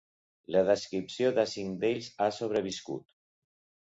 La descripció de cinc d'ells ha sobreviscut.